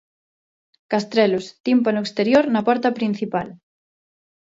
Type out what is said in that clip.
Castrelos, tímpano exterior na porta principal.